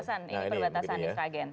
ini perbatasan di sragen